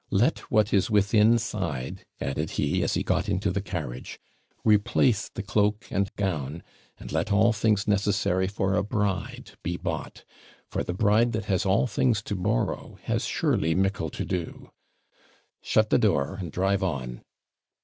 Let what is within side,' added he, as he got into the carriage, 'replace the cloak and gown, and let all things necessary for a bride be bought; "for the bride that has all things to borrow has surely mickle to do." Shut the door, and drive on.'